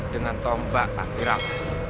dengan tombak anggaran